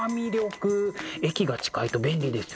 駅が近いと便利ですよね。